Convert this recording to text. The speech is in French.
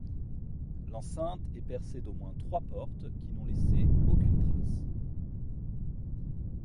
L'enceinte est percée d'au moins trois portes qui n'ont laissé aucune trace.